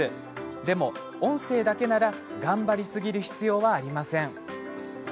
でも音声だけなら頑張りすぎる必要はありません。